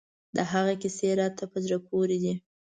د هغه کیسې راته په زړه پورې دي.